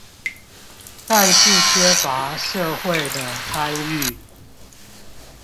但是缺乏社會的參與